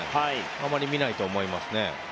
あまり見ないと思いますね。